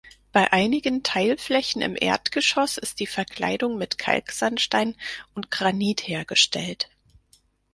Bei einigen Teilflächen im Erdgeschoss ist die Verkleidung mit Kalksandstein und Granit hergestellt.